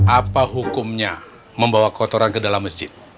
apa hukumnya membawa kotoran ke dalam masjid